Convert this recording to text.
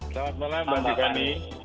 selamat malam mbak jika ni